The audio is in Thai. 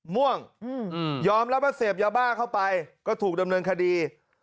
ม่วงยอมรับว่าเสพยาบ้าเข้าไปก็ถูกดำเนินคดี